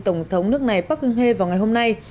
tổng thống nước này park geun hye vào ngày hôm nay